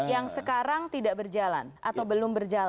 yang sekarang tidak berjalan atau belum berjalan